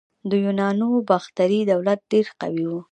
د یونانو باختري دولت ډیر قوي و